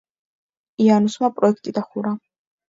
იანუსმა პროექტი დახურა.